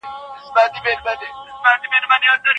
ایا ته د پخوانیو داستانونو په ریښتینولۍ شک لري؟